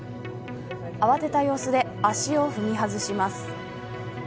慌てた様子で足を踏み外します。